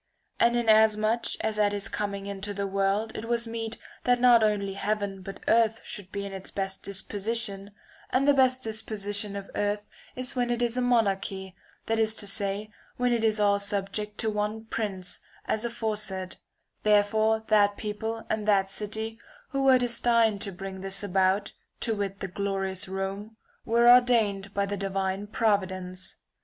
And inasmuch as at his coming into the world it was meet that not only heaven but earth should be in its best disposition, — and V. THE FOURTH TREATISE 247 the best disposition of earth is v/hen it is a Founding monarchy, that is to say, when it is all subject to o^ Troy one prince, as aforesaid, — therefore that ^~^|\, people and that city who were destined to bring jj^g this about, (to wit the glorious Rome), were or dained by the divine providence.